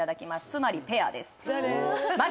つまりペアです誰？